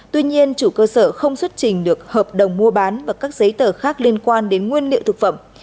tuy nhiên chủ cơ sở không xuất trình được hợp đồng mua bán và các giấy tờ khác liên quan đến nguyên liệu thực phẩm